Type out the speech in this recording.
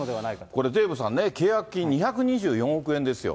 これ、デーブさんね、契約金２２４億円ですよ。